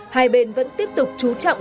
hai bên vẫn tiếp tục chú trọng